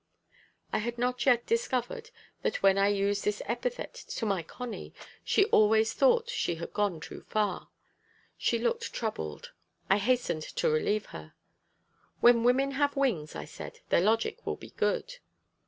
I had not yet discovered that when I used this epithet to my Connie, she always thought she had gone too far. She looked troubled. I hastened to relieve her. "When women have wings," I said, "their logic will be good."